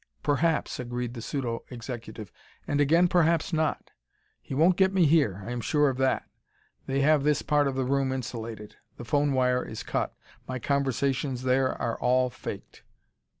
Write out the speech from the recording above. "Perhaps," agreed the pseudo executive, "and again, perhaps not. He won't get me here; I am sure of that. They have this part of the room insulated. The phone wire is cut my conversations there are all faked.